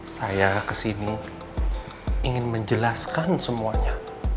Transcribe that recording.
saya kesini ingin menjelaskan semuanya